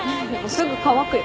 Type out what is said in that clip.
すぐ乾くよ。